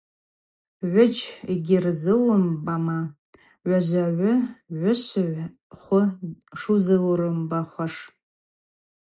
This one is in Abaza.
Гӏвыджь йгьырзыуымбама – гӏважвагӏвы, гӏвышвыгӏв хвы шузырымбахуаш.